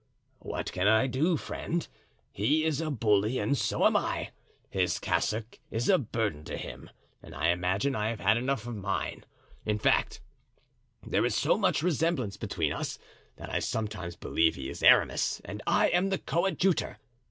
"What can I do, friend? he is a bully and so am I; his cassock is a burden to him and I imagine I have had enough of mine; in fact, there is so much resemblance between us that I sometimes believe he is Aramis and I am the coadjutor.